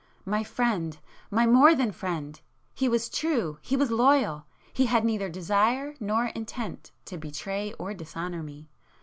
My friend,—my more than friend! He was true,—he was loyal—he had neither desire nor intent to betray or dishonour me.